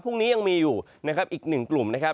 พรุ่งนี้ยังมีอยู่นะครับอีกหนึ่งกลุ่มนะครับ